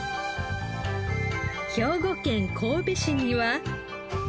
兵庫県神戸市には。